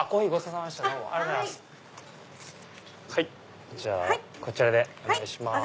はいこちらでお願いします。